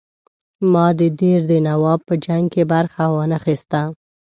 ما د دیر د نواب په جنګ کې برخه وانه خیستله.